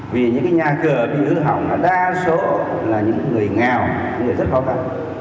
vì những nhà cửa bị hư hỏng là đa số là những người nghèo những người rất khó khăn